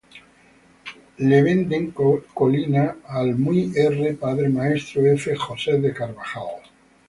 Le venden Colina al muy R. Padre Maestro F. Joseph de Carvajal.